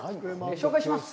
紹介します。